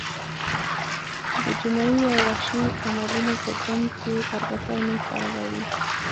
د جنایي او وحشي عملونو په ګند کې اربکي نوم خرابوي.